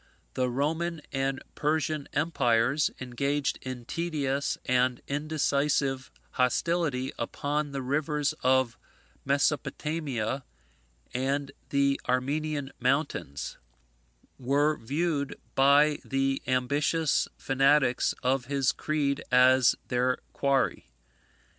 The Roman and Persian empires, engaged in tedious and indecisive hostility upon the rivers of Mesopotamia and the Armenian mountains, were viewed by the ambitious fanatics of his creed as their quarry.